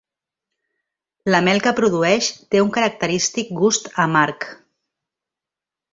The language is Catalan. La mel que produeix té un característic gust amarg.